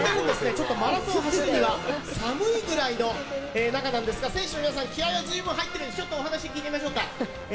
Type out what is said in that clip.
ちょっとマラソン走るには寒いぐらいの中なんですが選手の皆さん気合は十分入ってるんでお話聞いてみましょうかえ